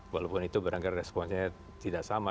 walaupun itu barangkali responnya tidak sama